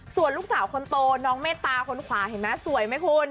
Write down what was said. ส่วนลูกสาวคนโตน้องเมตตาคนขวาเห็นไหมสวยไหมคุณ